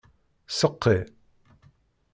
Seqqi.